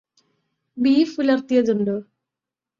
ബീഫുലർത്തിയതുണ്ടോ?